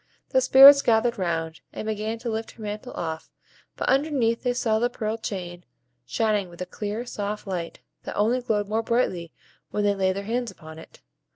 The Spirits gathered round, and began to lift her mantle off; but underneath they saw the pearl chain, shining with a clear, soft light, that only glowed more brightly when they laid their hands upon it.